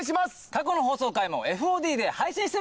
過去の放送回もＦＯＤで配信してます。